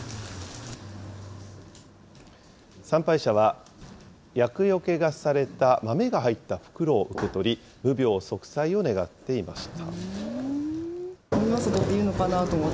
参拝者は、厄よけがされた豆が入った袋を受け取り、無病息災を願っていました。